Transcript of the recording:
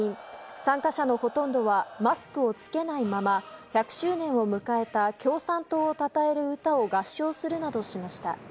参加者のほとんどはマスクを着けないまま１００周年を迎えた共産党をたたえる歌を合唱するなどしました。